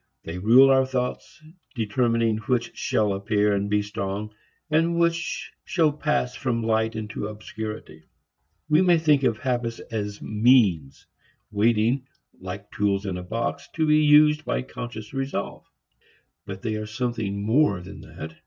They rule our thoughts, determining which shall appear and be strong and which shall pass from light into obscurity. We may think of habits as means, waiting, like tools in a box, to be used by conscious resolve. But they are something more than that.